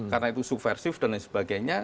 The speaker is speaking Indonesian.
karena itu subversif dan lain sebagainya